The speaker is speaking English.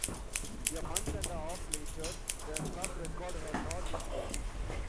A month and a half later, the club record had not improved.